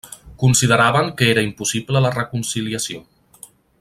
Consideraven que era impossible la reconciliació.